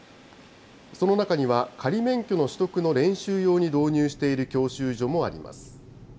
その中には仮免許の取得の練習用に導入している教習所もあります。